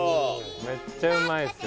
めっちゃうまいですよ